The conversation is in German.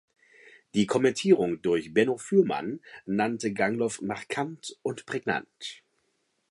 Die Kommentierung durch Benno Fürmann nannte Gangloff „markant und prägnant“.